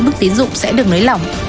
mức tín dụng sẽ được lấy lỏng